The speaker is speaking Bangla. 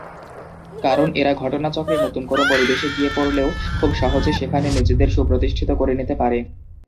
কারণ এরা ঘটনাচক্রে নতুন কোন পরিবেশে গিয়ে পড়লেও খুব সহজে সেখানে নিজেদের সুপ্রতিষ্ঠিত করে নিতে পারে।